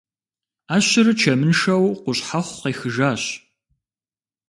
Ӏэщыр чэмыншэу къущхьэхъу къехыжащ.